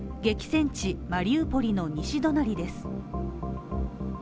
激戦地マリウポリの西隣です。